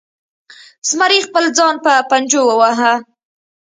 زمري خپل ځان په پنجو وواهه.